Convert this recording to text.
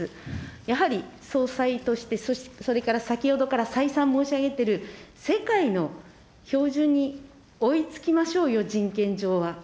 やはり総裁として、それから先ほどから再三申し上げている世界の標準に追いつきましょうよ、人権上は。